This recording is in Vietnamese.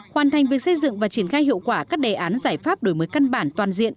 hoàn thành việc xây dựng và triển khai hiệu quả các đề án giải pháp đổi mới căn bản toàn diện